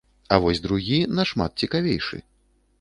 А вось другі нашмат цікавейшы.